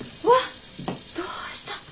わっどうした？